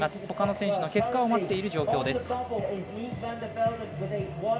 ほかの選手の結果を待っている状況です。